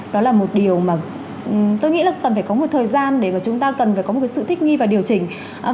đó là một điều mà tôi nghĩ là cần phải có một thời gian để mà chúng ta cần phải có một sự thích nghi và điều chỉnh